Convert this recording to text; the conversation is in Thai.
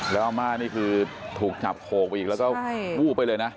แล้วอาม่านี่คือถูกจับโขกไปอีกแล้วก็วูบไปเลยนะ